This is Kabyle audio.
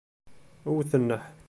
Wet nneḥ.